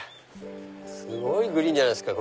すごいグリーンじゃないですか。